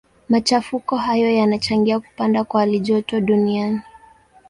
Machafuko hayo yanachangia kupanda kwa halijoto duniani.